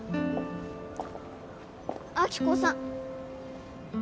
亜希子さん